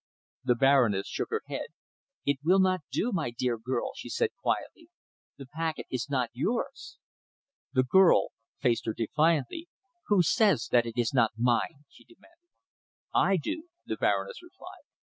The Baroness shook her head. "It will not do, my dear girl," she said quietly. "The packet is not yours." The girl faced her defiantly. "Who says that it is not mine?" she demanded. "I do," the Baroness replied.